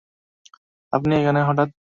আপনি এখানে হঠাৎ?